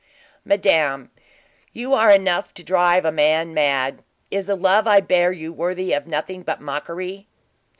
"Madame, you are enough to drive a man mad. Is the love I bear you worthy of nothing but mockery!"